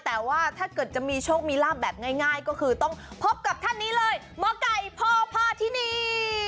แต่ว่าถ้าเกิดจะมีโชคมีลาบแบบง่ายก็คือต้องพบกับท่านนี้เลยหมอไก่พ่อพาที่นี่